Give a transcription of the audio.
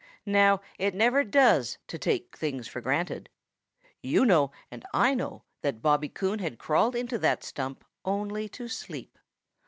Now it never does to take things for granted. You know and I know that Bobby Coon had crawled into that stump only to sleep.